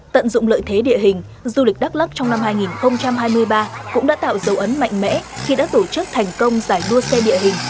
tận dụng lợi thế địa hình du lịch đắk lắk trong năm hai nghìn hai mươi ba cũng đã tạo dấu ấn mạnh mẽ khi đã tổ chức thành công giải đua xe địa hình